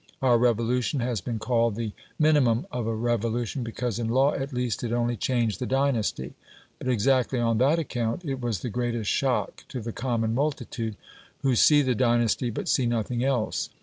Our revolution has been called the minimum of a revolution, because in law, at least, it only changed the dynasty, but exactly on that account it was the greatest shock to the common multitude, who see the dynasty but see nothing else.